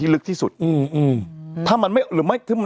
เราไปอื่น